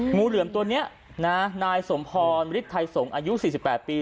หมู่เหลือมตัวนี้นายสมพรมิฤทย์ไทยสงฯอายุ๔๘ปี